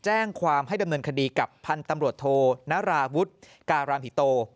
แจ้งความให้ดำเนินคดีกับพันธุ์ตำรวจโทนาราวุฒิการามหิโต